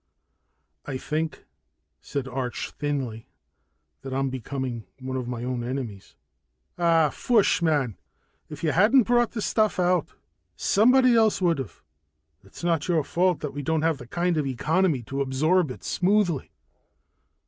"I think," said Arch thinly, "that I'm becoming one of my own enemies." "Ah, foosh, mon! If you hadn't brought the stuff out, somebody else would have. It's not your fault that we don't have the kind of economy to absorb it smoothly."